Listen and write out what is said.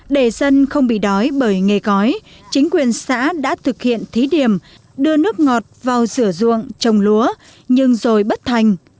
để dân không bị đói bởi nghề cói chính quyền xã đã thực hiện thí điểm đưa nước ngọt vào rửa ruộng trồng lúa nhưng rồi bất thành